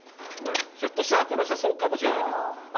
ひょっとしたらこの人はそうかもしれないけど。